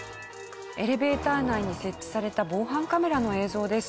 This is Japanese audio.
エレベーター内に設置された防犯カメラの映像です。